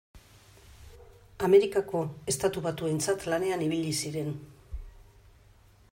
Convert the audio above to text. Amerikako Estatu Batuentzat lanean ibili ziren.